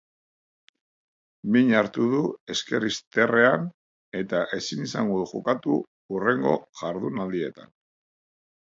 Min hartu du esker izterrean eta ezin izango du jokatu hurrengo jardunaldietan.